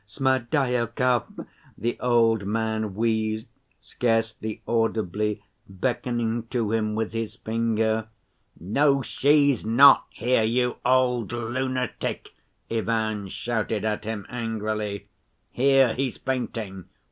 Smerdyakov!" the old man wheezed, scarcely audibly, beckoning to him with his finger. "No, she's not here, you old lunatic!" Ivan shouted at him angrily. "Here, he's fainting!